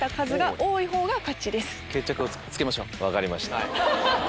分かりました。